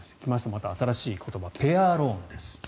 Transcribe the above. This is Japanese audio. また新しい言葉ペアローンです。